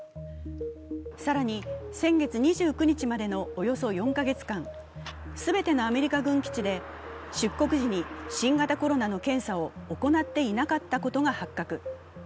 更に先月２９日までのおよそ４カ月間全てのアメリカ軍基地で出国時に新型コロナの検査を行っていなかったことが発覚。